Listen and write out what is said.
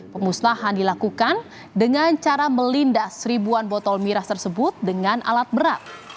pemusnahan dilakukan dengan cara melindas seribuan botol miras tersebut dengan alat berat